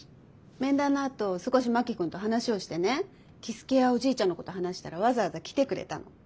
面談のあと少し真木君と話をしてね樹介やおじいちゃんのこと話したらわざわざ来てくれたの。